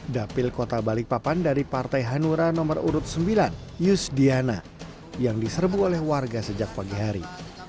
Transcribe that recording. dapil kota balikpapan dari partai hanura nomor urut sembilan yusdiana yang diserbu oleh warga sejak pagi hari